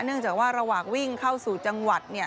เนื่องจากว่าระหว่างวิ่งเข้าสู่จังหวัด